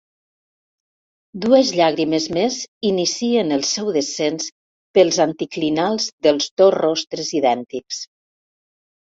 Dues llàgrimes més inicien el seu descens pels anticlinals dels dos rostres idèntics.